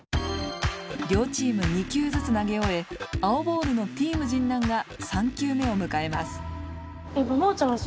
両チーム２球ずつ投げ終え青ボールのＴｅａｍ神南が３球目をむかえます。